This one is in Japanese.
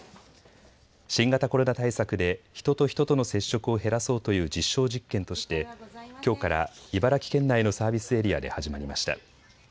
新型コロナ対策で人と人との接触を減らそうという実証実験としてきょうから茨城県内のサービスエリアで始まりました。